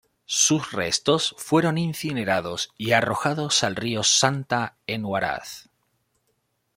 Sus restos fueron incinerados y arrojados al río Santa en Huaraz.